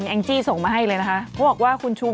แองจีส่งมาให้เลยนะคะ